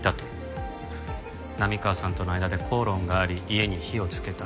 波川さんとの間で口論があり家に火をつけた。